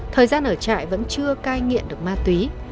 thời gian ở trại vẫn chưa cai nghiện được ma túy